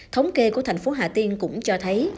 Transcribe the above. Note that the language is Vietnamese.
thống kê của thành phố hà tiên cũng cho thấy